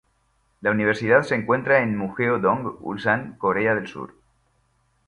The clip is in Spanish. La universidad se encuentra en Mugeo-dong, Ulsan, Corea del Sur.